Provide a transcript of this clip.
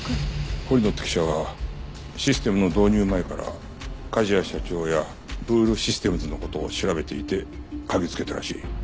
堀野って記者はシステムの導入前から梶谷社長やブールシステムズの事を調べていて嗅ぎつけたらしい。